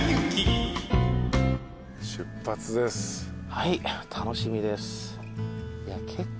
はい楽しみです。